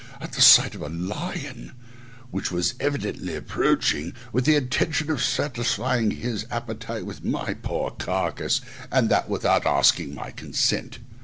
at the sight of a lion, which was evidently approaching with the intention of satisfying his appetite with my poor carcase, and that without asking my consent.